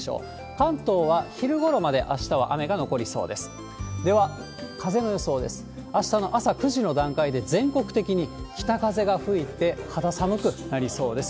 関東は昼ごろまで、あしたは雨が残りそうです。